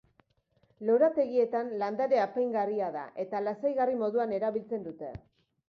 Lorategietan landare apaingarria da eta lasaigarri moduan erabiltzen dute.